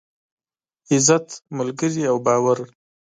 عزت، ملگري او باور.